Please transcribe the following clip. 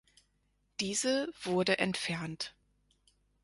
Diese wurde entfernt.